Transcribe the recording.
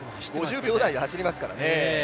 ５０秒台で走りますからね。